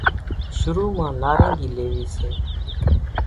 شرو مان نارينگي ليوي سي